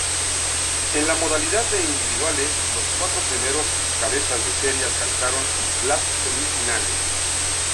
En la modalidad de individuales, los cuatros primeros cabezas de serie alcanzaron las semifinales.